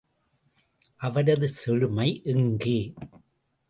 அவரது செழுமை எங்கே?